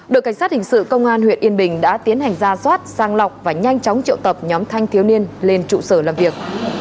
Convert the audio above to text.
đội cảnh sát hình sự công an huyện yên bình đã tiến hành ra soát sang lọc và nhanh chóng triệu tập nhóm thanh thiếu niên lên trụ sở làm việc